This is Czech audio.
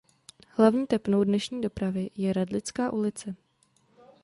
Hlavní tepnou dnešní dopravy je Radlická ulice.